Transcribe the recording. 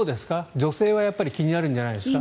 女性は気になるんじゃないですか。